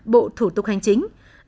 bộ thủ tục hành chính